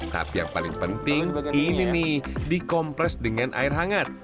tapi yang paling penting ini nih dikomples dengan air hangat